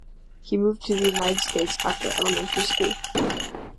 He moved to the United States after elementary school.